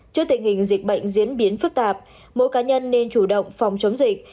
trước tình hình dịch bệnh diễn biến phức tạp mỗi cá nhân nên chủ động phòng chống dịch